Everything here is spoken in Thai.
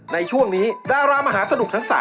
ในช่วงนี้ดารามหาสนุกทั้ง๓